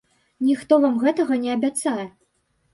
Ніхто вам гэтага не абяцае.